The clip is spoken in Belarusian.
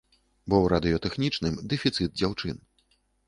Бо ў радыётэхнічным дэфіцыт дзяўчын.